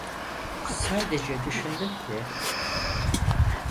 Sadece düşündüm ki…